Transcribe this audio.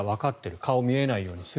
顔が見えないようにする。